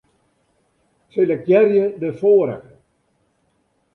Selektearje de foarige.